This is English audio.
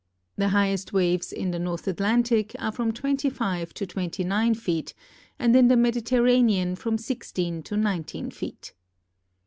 The highest waves in the North Atlantic are from twenty five to twenty nine feet, and in the Mediterranean from sixteen to nineteen feet.